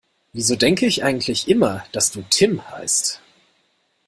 Wieso denke ich eigentlich immer, dass du Tim heißt?